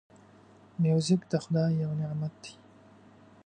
موزیک د خدای یو نعمت دی.